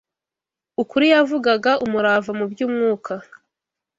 ukuri yavugaga, umurava mu by’umwuka